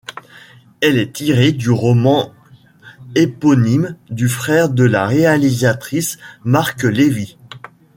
Elle est tirée du roman éponyme du frère de la réalisatrice, Marc Levy.